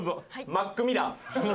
マックミラン。